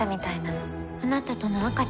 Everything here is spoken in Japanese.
あなたとの赤ちゃん。